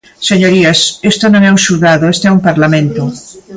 Señorías, isto non é un xulgado, isto é un parlamento.